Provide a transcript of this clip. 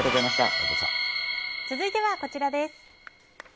続いてはこちらです。